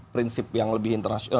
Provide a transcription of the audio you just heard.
prinsip yang lebih internasional